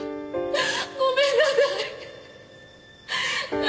ごめんなさい！